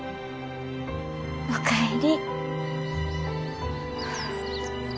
お帰り。